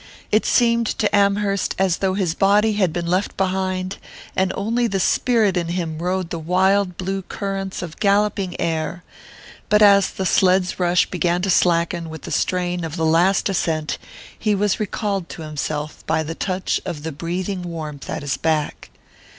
It seemed to Amherst as though his body had been left behind, and only the spirit in him rode the wild blue currents of galloping air; but as the sled's rush began to slacken with the strain of the last ascent he was recalled to himself by the touch of the breathing warmth at his back.